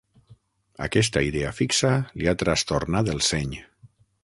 Aquesta idea fixa li ha trastornat el seny.